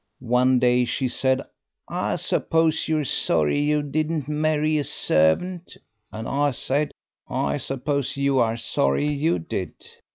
One day she said, 'I suppose you are sorry you didn't marry a servant?' and I said, 'I suppose you are sorry you did?'"